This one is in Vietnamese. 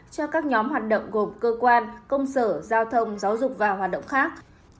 cho các nhóm hoạt động gồm cơ quan công sở giao thông giáo dục và hoạt động khác